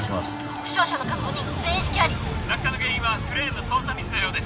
負傷者の数５人全員意識あり落下の原因はクレーンの操作ミスのようです